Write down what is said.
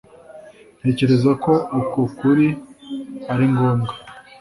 Ntekereza ko uko kuri ari ngombwa